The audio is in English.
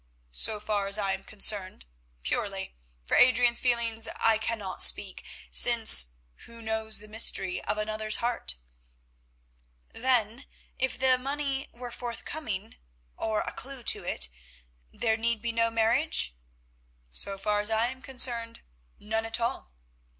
"So far as I am concerned, purely. For Adrian's feelings I cannot speak, since who knows the mystery of another's heart?" "Then, if the money were forthcoming—or a clue to it—there need be no marriage?" "So far as I am concerned, none at all."